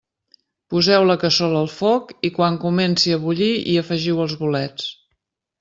Poseu la cassola al foc i quan comenci a bullir hi afegiu els bolets.